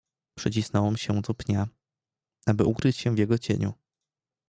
"Przycisnąłem się do pnia, aby się ukryć w jego cieniu."